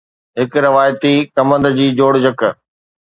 هڪ روايتي ڪمند جي جوڙجڪ